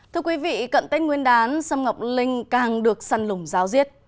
thưa quý vị cận tên nguyên đán xâm ngọc linh càng được săn lùng ráo riết